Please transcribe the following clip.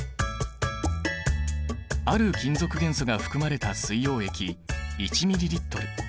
ある金属元素が含まれた水溶液１ミリリットル。